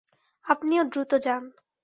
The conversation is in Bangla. আপনিও দ্রুত যান।